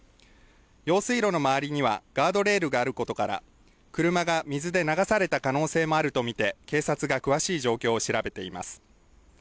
用水路の周りにはガードレールがあることから車が水で流された可能性もあると見て警察が詳しい状況を調べています。